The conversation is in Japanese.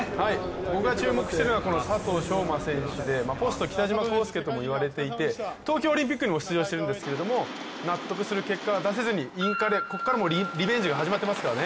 僕が注目しているのはこの佐藤翔馬選手でポスト北島康介とも言われていて東京オリンピックにも出場しているんですけど納得する結果は出せずにインカレ、ここからもうリベンジが始まっていますからね。